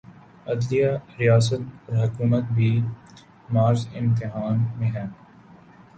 عدلیہ، ریاست اور حکومت بھی معرض امتحان میں ہیں۔